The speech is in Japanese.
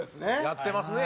やってますね。